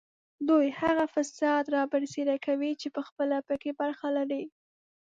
دوی هغه فساد رابرسېره کوي چې پخپله په کې برخه لري